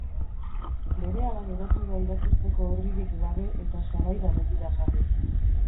Berehala geratu da irakurtzeko orririk gabe eta sabaira begira jarri.